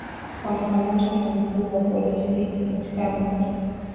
wamekamatwa na mkuu wa polisi katika mji